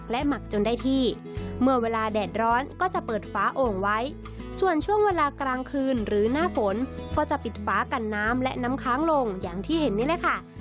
หมักจนได้ที่เมื่อเวลาแดดร้อนก็จะเปิดฟ้าโอ่งไว้ส่วนช่วงเวลากลางคืนหรือหน้าฝนก็จะปิดฟ้ากันน้ำและน้ำค้างลงอย่างที่เห็นนี่แหละค่ะ